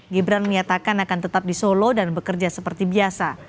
gibran menyatakan akan tetap di solo dan bekerja seperti biasa